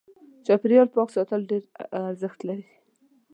چاپېريال پاک ساتل ډېر ارزښت لري.